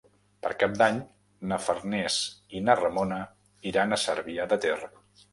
Per Cap d'Any na Farners i na Ramona iran a Cervià de Ter.